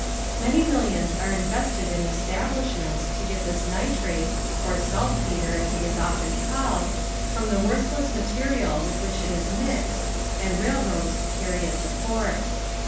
Many millions are invested in establishments to get this nitrate, or saltpeter as it is often called, from the worthless material with which it is mixed and railroads to carry it to port.